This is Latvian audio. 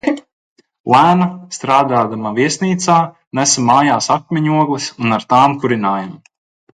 Lēna, strādādama viesnīcā, nesa mājās akmeņogles un ar tām kurinājām.